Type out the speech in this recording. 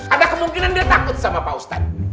ada kemungkinan dia takut sama pak ustadz